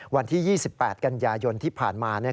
วันที่๒๘กันยายนที่ผ่านมา